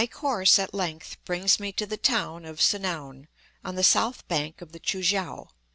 My course at length brings me to the town of Si noun, on the south bank of the Choo kiang.